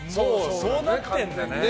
そうなってんだね。